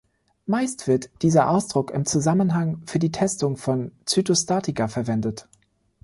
Meist wird dieser Ausdruck im Zusammenhang für die Testung von Zytostatika verwendet.